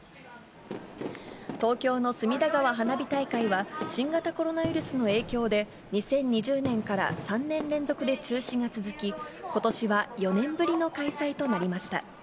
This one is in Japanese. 東京の隅田川花火大会は、新型コロナウイルスの影響で、２０２０年から３年連続で中止が続き、ことしは４年ぶりの開催となりました。